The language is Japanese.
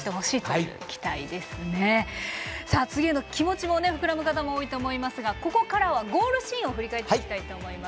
次への気持ちも膨らむ方も多いと思いますがここからは、ゴールシーンを振り返っていきたいと思います。